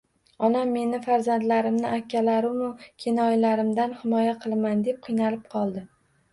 Onam meni, farzandlarimni akalarimu kelinoyilarimdan himoya qilaman, deb qiynalib qoldi